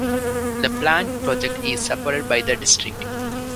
The planned project is supported by the district.